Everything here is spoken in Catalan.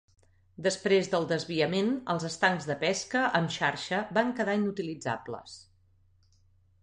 Després del desviament, els estancs de pesca amb xarxa van quedar inutilitzables.